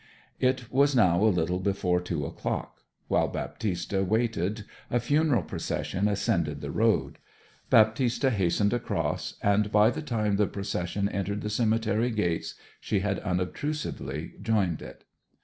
It was now a little before two o'clock. While Baptista waited a funeral procession ascended the road. Baptista hastened across, and by the time the procession entered the cemetery gates she had unobtrusively joined it.